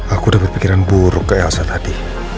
aku udah berpikiran buruk ke elsa tadi